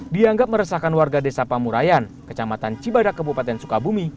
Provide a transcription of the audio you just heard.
dianggap meresahkan warga desa pamurayan kecamatan cibadak kebupaten sukabumi